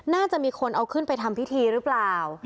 น่าจะมีคนเอาขึ้นไปทำพิธีหรือเปล่า